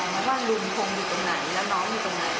ว่าลุงคงอยู่ตรงไหนแล้วน้องอยู่ตรงไหน